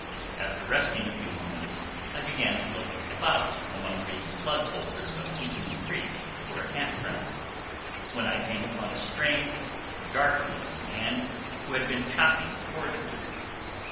After resting a few moments, I began to look about among the flood boulders of Eaton Creek for a camp ground, when I came upon a strange, dark looking man who had been chopping cord wood.